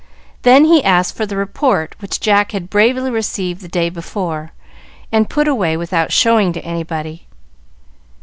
Then he asked for the report which Jack had bravely received the day before and put away without showing to anybody.